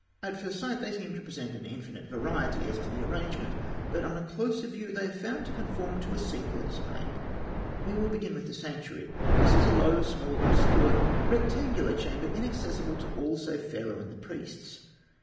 At first sight, they seem to present an infinite variety as to arrangement; but on a closer view they are found to conform to a single type. We will begin with the sanctuary. This is a low, small, obscure, rectangular chamber, inaccessible to all save Pharaoh and the priests.